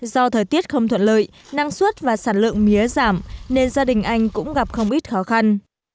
do thời tiết không thuận lợi năng suất và sản lượng mía giảm nên gia đình anh cũng gặp không ít khó khăn